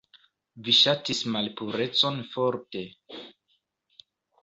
Vi ŝatis malpurecon forte.